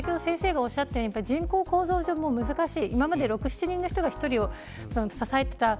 先ほど先生がおっしゃったように人口構造上、難しい。